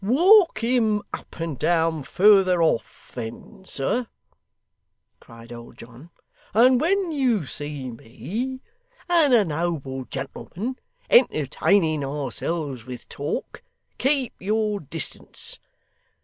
'Walk him up and down further off then, sir,' cried old John, 'and when you see me and a noble gentleman entertaining ourselves with talk, keep your distance.